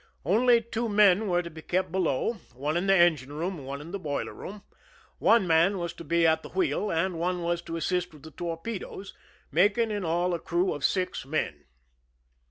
Only two men were to be kept below, one in the engine room and one in the boiler room. One man was to be at the wheel and one was to assist with the torpedoes, making in all a crew of six men.